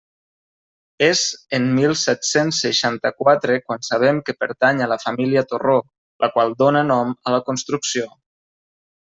És en mil set-cents seixanta-quatre quan sabem que pertany a la família Torró, la qual dóna nom a la construcció.